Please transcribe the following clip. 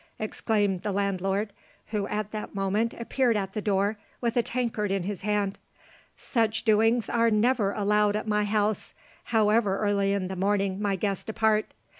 exclaimed the landlord, who at that moment appeared at the door with a tankard in his hand. "Such doings are never allowed at my house, however early in the morning my guests depart.